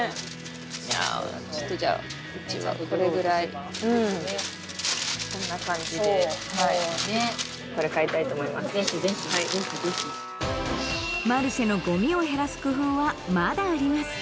いやちょっとじゃあうちはこれぐらいこんな感じでぜひぜひぜひぜひマルシェのゴミを減らす工夫はまだあります